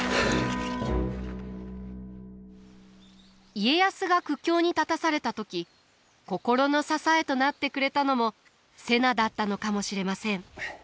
家康が苦境に立たされた時心の支えとなってくれたのも瀬名だったのかもしれません。